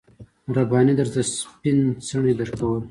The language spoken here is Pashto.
رباني درته سپين څڼې درکول.